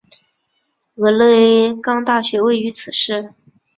俄勒冈大学位于此市。